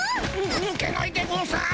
ぬけないでゴンス。